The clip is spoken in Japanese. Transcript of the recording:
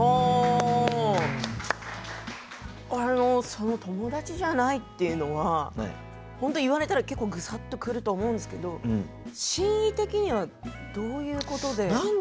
その「友達じゃない」っていうのは本当、言われたら結構ぐさっとくると思うんですけど真意的にはどういうことで？